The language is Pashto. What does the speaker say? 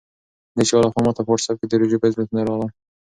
د چا لخوا ماته په واټساپ کې د روژې فضیلتونه راغلل.